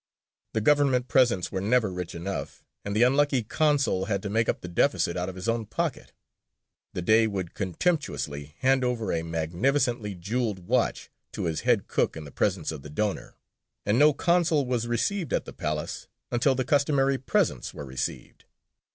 The government presents were never rich enough, and the unlucky consul had to make up the deficit out of his own pocket. The Dey would contemptuously hand over a magnificently jewelled watch to his head cook in the presence of the donor; and no consul was received at the Palace until the "customary presents" were received.